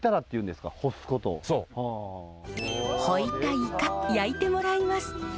イカ焼いてもらいます。